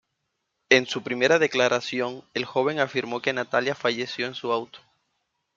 En su primera declaración, el joven afirmó que Natalia falleció en su auto.